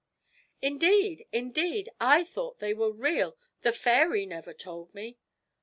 'Indeed, indeed I thought they were real, the fairy never told me!'